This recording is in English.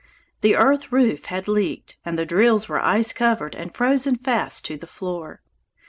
The earth roof had leaked, and the drills were ice covered and frozen fast to the floor.